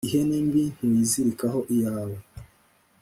ihene mbi ntuyizirikaho iyawe